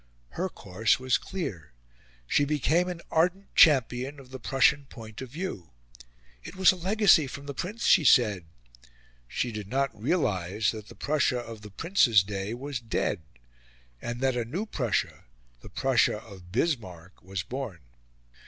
Her course was clear. She became an ardent champion of the Prussian point of view. It was a legacy from the Prince, she said. She did not realise that the Prussia of the Prince's day was dead, and that a new Prussia, the Prussia of Bismarck, was born.